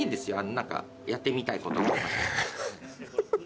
何かやってみたいこと。